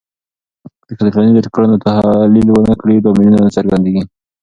که د ټولنیزو کړنو تحلیل ونه کړې، لاملونه نه څرګندېږي.